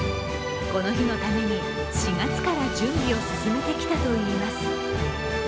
この日のために４月から準備を進めてきたといいます。